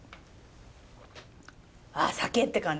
あっ酒って感じ。